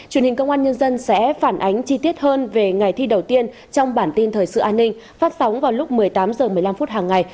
truyền hình công an nhân dân sẽ phản ánh chi tiết hơn về ngày thi đầu tiên trong bản tin thời sự an ninh phát sóng vào lúc một mươi tám h một mươi năm hàng ngày